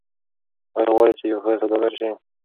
آیا ته غواړې چې یو ښه سوداګر شې؟